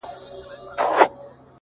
خدای به د وطن له مخه ژر ورک کړي دا شر ـ